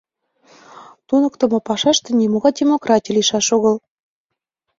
Туныктымо пашаште нимогай демократий лийшаш огыл.